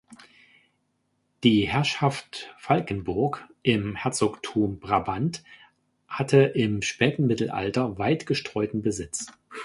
Die "Herrschaft Valkenburg" im Herzogtum Brabant hatte im späten Mittelalter weit gestreuten Besitz.